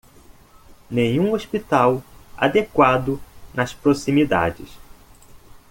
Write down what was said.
Nenhum hospital adequado nas proximidades